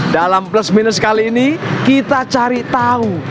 dalam plus minus kali ini kita cari tahu